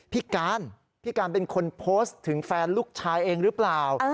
พี่การพี่การเป็นคนโพสต์ถึงแฟนลูกชายเองหรือเปล่า